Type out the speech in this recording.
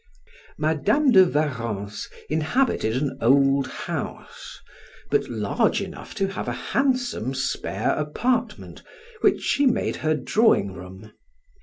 Madam de Warrens inhabited an old house, but large enough to have a handsome spare apartment, which she made her drawing room.